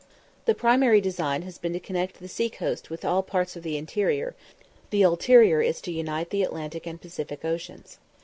The primary design has been to connect the sea coast with all parts of the interior, the ulterior is to unite the Atlantic and Pacific Oceans.